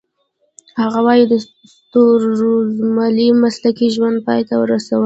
هغه وايي د ستورمزلۍ مسلکي ژوند پای ته رسولو .